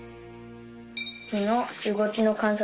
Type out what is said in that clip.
月の動きの観察